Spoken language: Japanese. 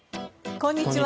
こんにちは。